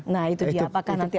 nah itu dia apakah nanti